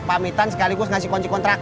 pamitan sekaligus ngasih kunci kontrak